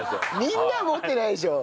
みんなは持ってないでしょう。